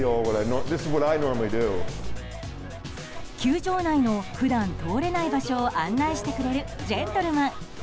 球場内の普段通れない場所を案内してくれるジェントルマン。